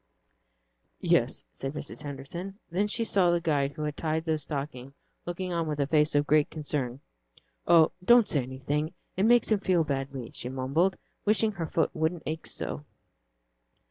"Yes," said Mrs. Henderson. Then she saw the guide who had tied the stocking looking on with a face of great concern. "Oh, don't say anything, it makes him feel badly," she mumbled, wishing her foot wouldn't ache so.